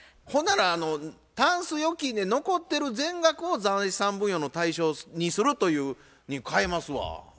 ほなら「タンス預金で残ってる全額を財産分与の対象にする」というに変えますわ。